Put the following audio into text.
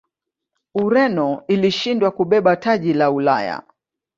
ureno ilishindwa kubeba taji la ulaya